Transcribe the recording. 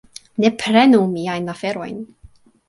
Ne prenu miajn aferojn!